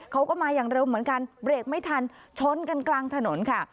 เขาก็มาอย่างเร็วเหมือนกันเบรกไม่ทันชนกันกลางถนนค่ะ